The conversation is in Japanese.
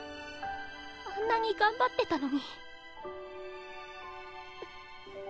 あんなに頑張ってたのに。